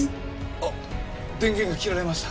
あっ電源が切られました。